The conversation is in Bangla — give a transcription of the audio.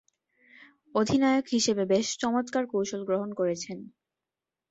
অধিনায়ক হিসেবে বেশ চমৎকার কৌশল গ্রহণ করেছেন।